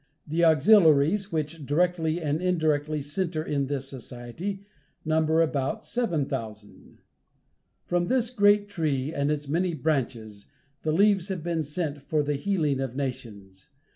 The auxiliaries which directly and indirectly center in this society, number about 7,000. From this great tree and its many branches, the leaves have been sent for the healing of nations.